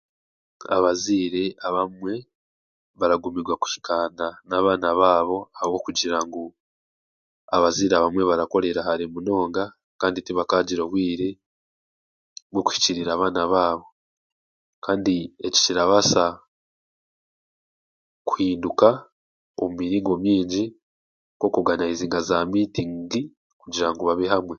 Abazaire abamwe baragumirwa kuhikaana n'abaana baabo ahabwokugira ngu abazaire abamwe barakorera hare munonga kandi tibakaagira obwire bw'okuhikirira abaana baabo kandi eki kirabaasa kuhinduka omu miringo mingi nk'oku oganaizinga za miitingi kugira ngu babe hamwe